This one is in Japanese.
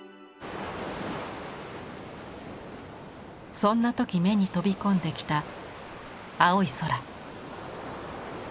そんな時目に飛び込んできた青い空。